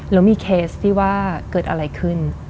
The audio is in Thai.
แล้วมีเคสที่ว่าเกิดอะไรขึ้น